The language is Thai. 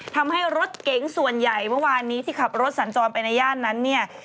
ทำให้รถเก๋งส่วนใหญ่เมื่อวานนี้ที่ขับรถสัญจรไปในย่านนั้นเนี่ย